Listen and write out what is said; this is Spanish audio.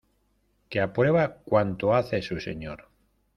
que aprueba cuanto hace su señor.